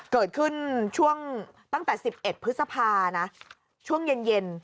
เกิดขึ้นช่วงตั้งแต่๑๑พฤษภานะช่วงเย็น